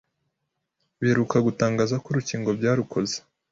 biheruka gutangaza ko urukingo byarukoze